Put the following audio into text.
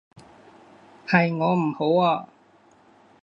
係我唔好啊